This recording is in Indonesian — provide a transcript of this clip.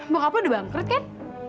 bokap lo udah bangkrut kan